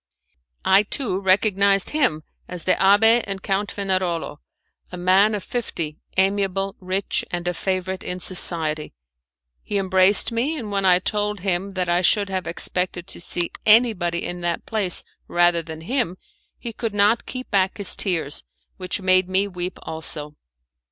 I, too, recognised him as the Abbé and Count Fenarolo, a man of fifty, amiable, rich, and a favourite in society. He embraced me, and when I told him that I should have expected to see anybody in that place rather than him, he could not keep back his tears, which made me weep also.